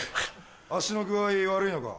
脚の具合悪いのか？